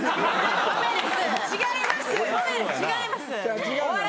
違います！